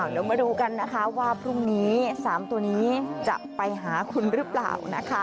เดี๋ยวมาดูกันนะคะว่าพรุ่งนี้๓ตัวนี้จะไปหาคุณหรือเปล่านะคะ